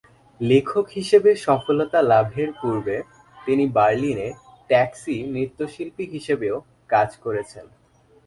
লেখক হিসেবে সফলতা লাভের পূর্বে তিনি বার্লিনে ট্যাক্সি নৃত্যশিল্পী হিসেবেও কাজ করেছেন।